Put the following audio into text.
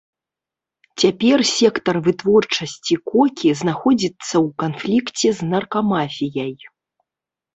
Цяпер сектар вытворчасці кокі знаходзіцца ў канфлікце з наркамафіяй.